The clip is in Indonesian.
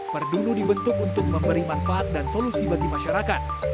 perdunu dibentuk untuk memberi manfaat dan solusi bagi masyarakat